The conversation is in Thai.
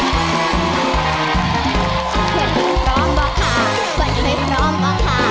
เห็นพร้อมบอกค่ะก่อนให้พร้อมอ้องค่ะ